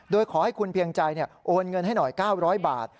โดยขอให้คุณเพียงใจโอนเงินให้หน่อย๙๐๐บาท